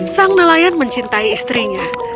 sang nelayan mencintai istrinya